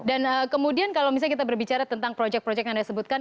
dan kemudian kalau misalnya kita berbicara tentang proyek proyek yang anda sebutkan